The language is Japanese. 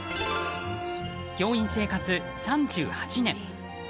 教員生活３８年。